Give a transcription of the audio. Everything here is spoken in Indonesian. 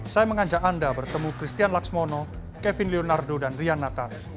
saya mengajak anda bertemu christian laksmono kevin leonardo dan rian natha